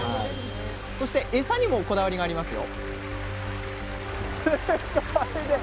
そしてエサにもこだわりがありますよ